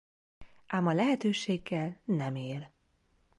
Ám a lehetőséggel nem él.